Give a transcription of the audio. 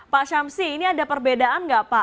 pak syamsi ini ada perbedaan nggak pak